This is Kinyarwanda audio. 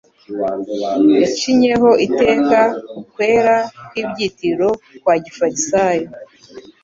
yacinyeho iteka ukwera kw'ibyitiriro kwa gifarisayo